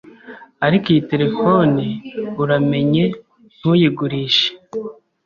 ariko iyi telefone uramenye ntuyigurishe .